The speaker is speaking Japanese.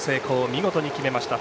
見事に決めました。